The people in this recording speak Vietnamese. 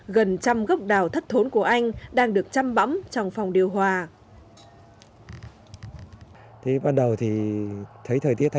gần trăm gốc đào thất hốn của anh đang được chăm bắm trong phòng điều hoa